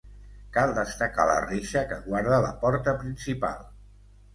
Cal destacar la reixa que guarda la porta principal.